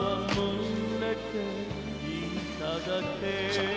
さあ。